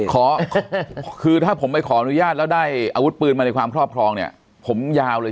ขอคือถ้าผมไปขออนุญาตแล้วได้อาวุธปืนมาในความครอบครองเนี่ยผมยาวเลย